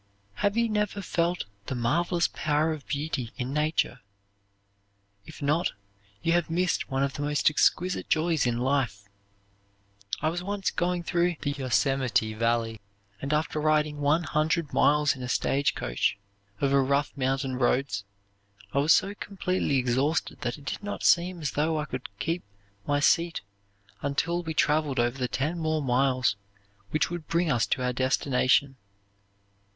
Have you never felt the marvelous power of beauty in nature? If not, you have missed one of the most exquisite joys in life. I was once going through the Yosemite Valley, and after riding one hundred miles in a stage coach over rough mountain roads, I was so completely exhausted that it did not seem as though I could keep my seat until we traveled over the ten more miles which would bring us to our destination.